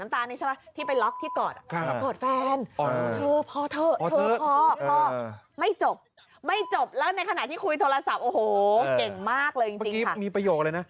ไม่ใช่มาดูประแจประแจบ้าประแจบ้าประแจประแจข้อมูลได้